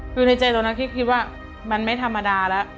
คือในใจเรานะพี่คิดว่ามันไม่ธรรมดาแล้ว